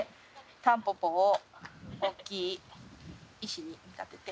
タンポポを大きい石に見立てて。